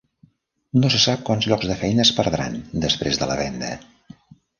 No se sap quants llocs de feina es perdran després de la venda.